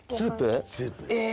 え！